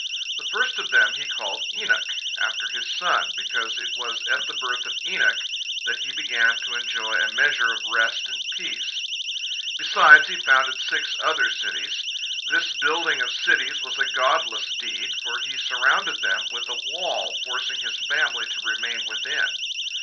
The first of them he called Enoch, after his son, because it was at the birth of Enoch that he began to enjoy a measure of rest and peace. Besides, he founded six other cities. This building of cities was a godless deed, for he surrounded them with a wall, forcing his family to remain within.